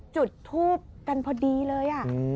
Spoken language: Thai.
จุดทูบกันพอดีเลย